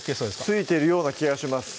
ついているような気がします